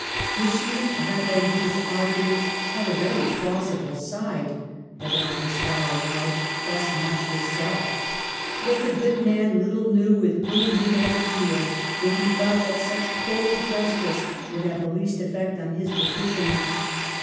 M. Reverdil's arguments had " a very plausible side," Madame de Stael allowed thus much her self ; but the good man little knew with whom he had to deal if he thought that such cold jus tice would have the least effect on his petitioner.